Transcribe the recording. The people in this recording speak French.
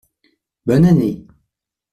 Bonne année !